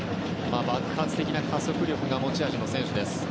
爆発的な加速力が持ち味の選手。